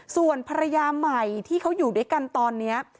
ส่วนภรรยาใหม่ที่เขาอยู่ด้วยกันตอนนี้